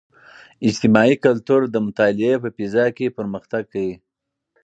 اجتماعي کلتور د مطالعې په فضاء کې پرمختګ کوي.